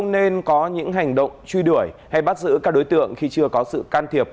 nên có những hành động truy đuổi hay bắt giữ các đối tượng khi chưa có sự can thiệp